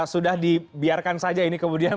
sudah dibiarkan saja ini kemudian